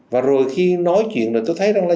và rồi khi nói chuyện là tôi thấy rằng là